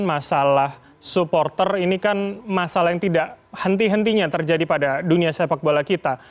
masalah supporter ini kan masalah yang tidak henti hentinya terjadi pada dunia sepak bola kita